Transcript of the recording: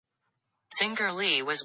Zingerle was born at Meran, Tyrol.